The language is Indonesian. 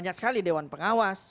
banyak sekali dewan pengawas